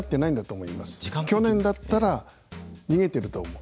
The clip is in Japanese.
去年だったら逃げてると思う。